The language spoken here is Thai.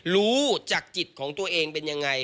รู้จักจิตของตัวเองเป็นยังไง